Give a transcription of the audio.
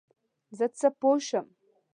زه څه پوه شم ؟